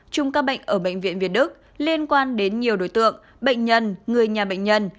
chung các bệnh ở bệnh viện việt đức liên quan đến nhiều đối tượng bệnh nhân người nhà bệnh nhân